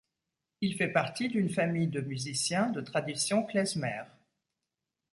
Il fait partie d'une famille de musiciens de tradition klezmer.